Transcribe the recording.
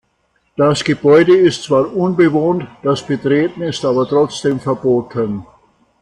Das Gebäude ist zwar unbewohnt, das Betreten ist aber trotzdem verboten.